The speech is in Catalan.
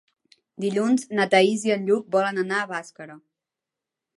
Dilluns na Thaís i en Lluc volen anar a Bàscara.